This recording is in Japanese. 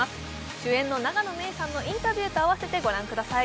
主演の永野芽郁さんのインタビューと併せてご覧ください。